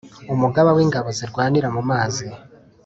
umugaba w ingabo zirwanira mumazi